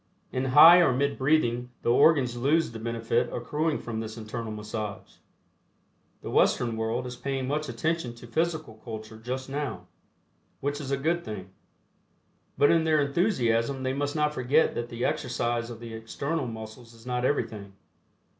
In High or Mid Breathing the organs lose the benefit accruing from this internal massage. The Western world is paying much attention to Physical Culture just now, which is a good thing. But in their enthusiasm they must not forget that the exercise of the external muscles is not everything.